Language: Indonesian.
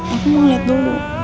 aku mau liat dulu